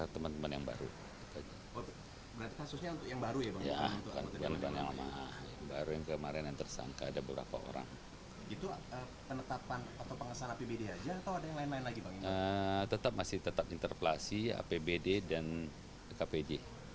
tetap masih tetap interpelasi apbd dan apd